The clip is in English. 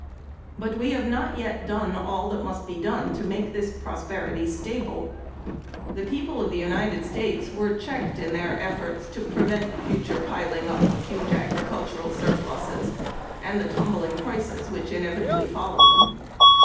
But we have not yet done all that must be done to make this prosperity stable. The people of the United States were checked in their efforts to prevent future piling up of huge agricultural surpluses and the tumbling prices which inevitably follow them.